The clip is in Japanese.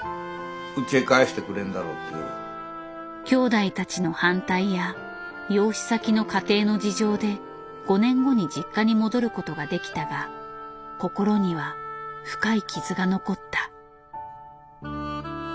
きょうだいたちの反対や養子先の家庭の事情で５年後に実家に戻ることができたが心には深い傷が残った。